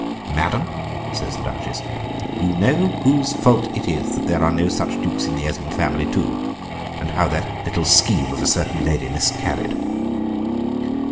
"Madam," says the Duchess, "you know whose fault it is that there are no such dukes in the Esmond family too, and how that little scheme of a certain lady miscarried."